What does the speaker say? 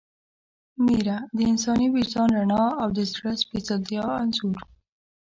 میره – د انساني وجدان رڼا او د زړه د سپېڅلتیا انځور